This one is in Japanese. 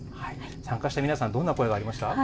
参加した皆さん、どんな声がありました？